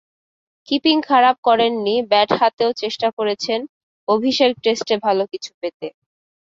Keeping খারাপ করেননি, bat হাতেও চেষ্টা করেছেন অভিষেক টেস্টে ভালো কিছু পেতে।